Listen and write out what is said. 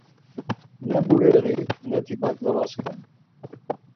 Ne bureği, neti baǩlavaskani.